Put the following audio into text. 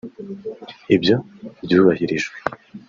Ibyo byubahirijwe